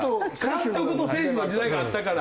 監督と選手の時代があったから。